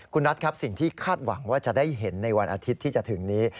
คุณรัฐครับสิ่งที่คาดหวังว่าจะได้เห็นในวันอาทิตย์ที่จะถึงนี้